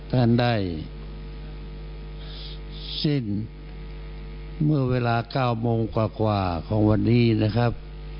ท่านได้สิ้นเมื่อเวลา๙โมงกว่าของวันนี้นะครับ